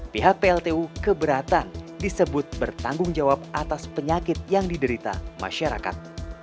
pihak pltu keberatan disebut bertanggung jawab atas penyakit yang diderita masyarakat